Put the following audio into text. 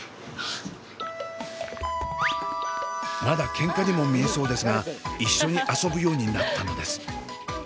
まだケンカにも見えそうですが一緒に遊ぶようになったのです。